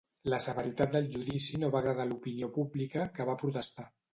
La severitat del judici no va agradar a l'opinió pública, que va protestar.